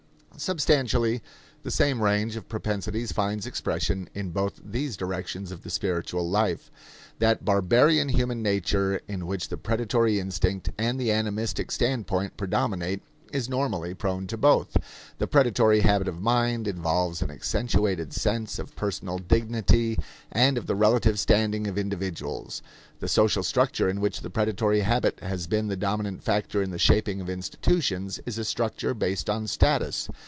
Substantially the same range of propensities finds expression in both these directions of the spiritual life. That barbarian human nature in which the predatory instinct and the animistic standpoint predominate is normally prone to both. The predatory habit of mind involves an accentuated sense of personal dignity and of the relative standing of individuals. The social structure in which the predatory habit has been the dominant factor in the shaping of institutions is a structure based on status.